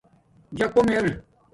جاکݸم ارے